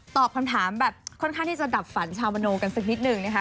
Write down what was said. ตอบคำถามแบบค่อนข้างที่จะดับฝันชาวมโนกันสักนิดนึงนะคะ